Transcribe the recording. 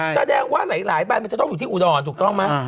แสดงว่าหลายใบมันจะต้องอยู่ที่อุดรถูกต้องไหม